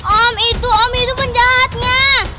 om itu om itu penjahatnya